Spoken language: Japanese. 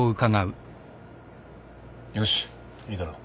よしいいだろう。